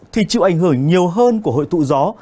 thì chịu ảnh hưởng nhiều hơn của hội tụ gió